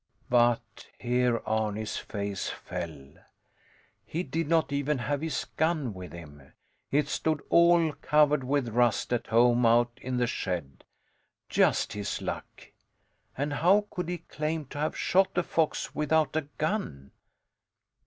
But here Arni's face fell. He did not even have his gun with him. It stood, all covered with rust, at home out in the shed. Just his luck! And how could he claim to have shot a fox without a gun?